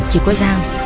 chỉ có dao